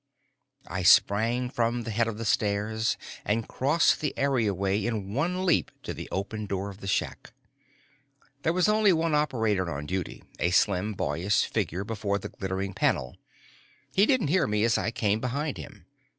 I sprang from the head of the stairs and crossed the areaway in one leap to the open door of the shack. There was only one operator on duty, a slim boyish figure before the glittering panel. He didn't hear me as I came behind him.